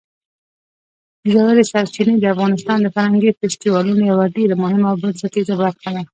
ژورې سرچینې د افغانستان د فرهنګي فستیوالونو یوه ډېره مهمه او بنسټیزه برخه ده.